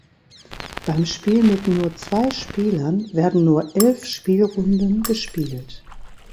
Beim Spiel mit nur zwei Spielern werden nur elf Spielrunden gespielt.